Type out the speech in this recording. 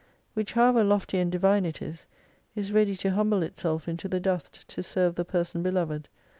Which how ever lofty and divine it is, is ready to humble itself into the dust to serve the person beloved.